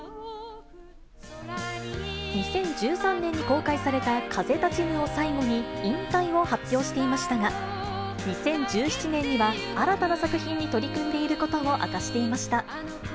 ２０１３年に公開された風立ちぬを最後に、引退を発表していましたが、２０１７年には、新たな作品に取り組んでいることを明かしていました。